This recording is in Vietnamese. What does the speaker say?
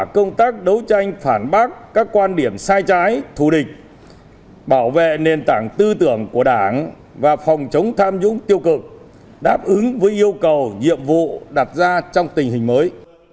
công tác đấu tranh phản bác các quan điểm sai trái thù địch bảo vệ nền tảng tư tưởng của đảng và phòng chống tham nhũng tiêu cực đáp ứng với yêu cầu nhiệm vụ đặt ra trong tình hình mới